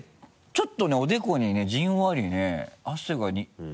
ちょっとねおでこにねじんわりね汗がっていう。